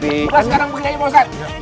nah sekarang begini pak ustaz